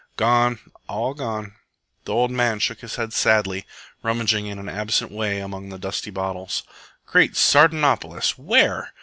"Gone, all gone." The old man shook his head sadly, rummaging in an absent way among the dusty bottles. "Great Sardanapolis! Where?"